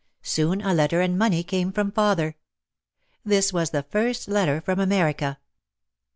Soon a letter and money came from father. This was the first letter from America.